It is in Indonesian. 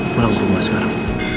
pulang ke rumah sekarang